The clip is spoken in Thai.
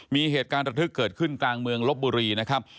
มีเหตุการณ์ระทึกเกิดขึ้นกลางเมืองลบบุรีนะครับ